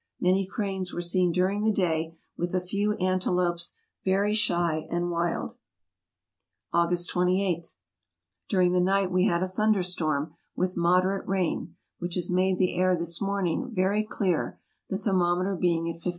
Many cranes were seen during the day, with a few antelopes, very shy and wild. August 28. — During the night we had a thunder storm, with moderate rain, which has made the air this morning very clear, the thermometer being at 550.